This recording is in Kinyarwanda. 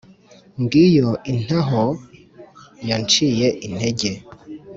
ngiyo intaho yanciye intege.